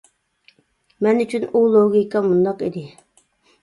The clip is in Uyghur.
مەن ئۈچۈن ئۇ لوگىكا مۇنداق ئىدى.